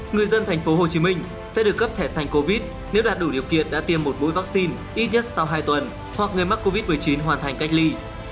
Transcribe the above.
người dân tp hcm sẽ được cấp thẻ xanh covid nếu đạt đủ điều kiện đã tiêm một mũi vaccine ít nhất sau hai tuần hoặc người mắc covid một mươi chín hoàn thành cách ly